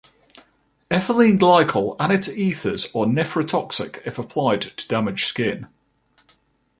Ethylene Glycol and its ethers are nephrotoxic if applied to damaged skin.